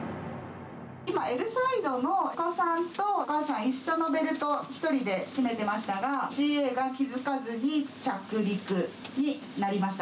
今、Ｌサイドのお子さんとお母さんが一緒のベルト、１人で締めてましたが、ＣＡが気付かずに着陸になりました。